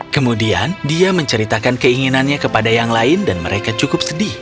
kemudian dia menceritakan keinginannya kepada yang lain dan mereka cukup sedih